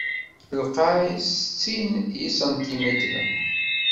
lqay s settin n yisantimitren.